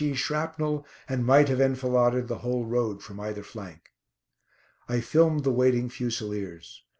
E. shrapnel, and might have enfiladed the whole road from either flank. I filmed the waiting Fusiliers.